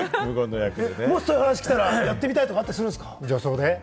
もしそういう話が来たら、やってみたいというのはあるんですか？